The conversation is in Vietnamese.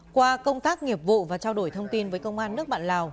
qua công tác nghiệp vụ và trao đổi thông tin với công an nước bạn lào